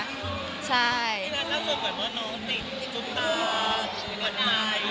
มีใครปิดปาก